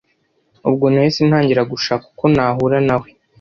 Ubwo nahise ntangira gushaka uko nahura na we